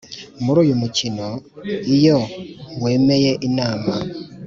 muri uyu mukino: “iyo wemeye inama...!”